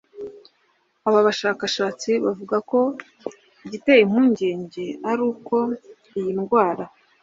Aba bashakahatsi bavuga ko igiteye impungenge ari uko iyi ndwara